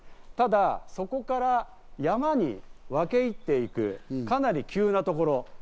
ただ、そこから山には分け入っていく、かなり急な所。